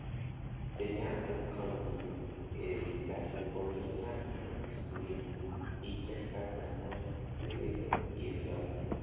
Tenían un caudillo hereditario por línea masculina y tres castas: nobles, plebeyos y esclavos.